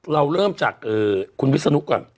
เราเริ่มจากคุณวิศนุก่อน